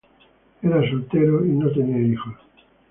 Era soltero y no tenía hijos.